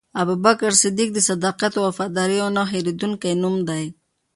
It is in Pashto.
ابوبکر صدیق د صداقت او وفادارۍ یو نه هېرېدونکی نوم دی.